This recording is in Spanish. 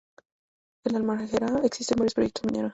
En Halmahera existen varios proyectos mineros.